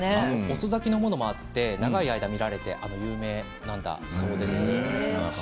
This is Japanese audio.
遅咲きのものもあって長い間、見られて有名なんだそうです。